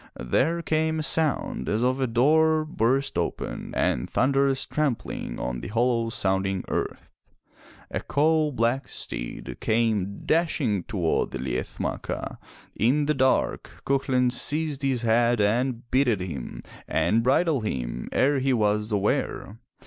There came a sound as of a door burst open and thunderous trampling on the hollow sounding earth. A coal black steed came dashing toward the Liath Macha. In the dark, Cuchulain seized his head and bitted him and bridled him ere he was aware.